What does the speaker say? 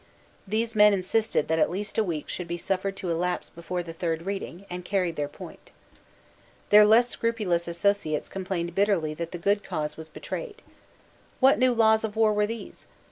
These men insisted that at least a week should be suffered to elapse before the third reading, and carried their point. Their less scrupulous associates complained bitterly that the good cause was betrayed. What new laws of war were these?